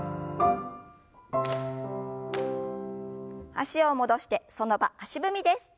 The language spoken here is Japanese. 脚を戻してその場足踏みです。